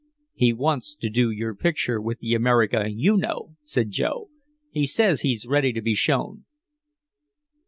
"He wants to do your picture with the America you know," said Joe. "He says he's ready to be shown."